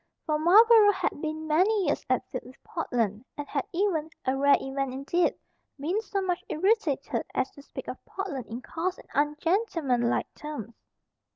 For Marlborough had been many years at feud with Portland, and had even a rare event indeed been so much irritated as to speak of Portland in coarse and ungentlemanlike terms.